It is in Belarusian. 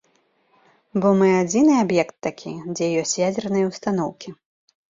Бо мы адзіны аб'ект такі, дзе ёсць ядзерныя ўстаноўкі.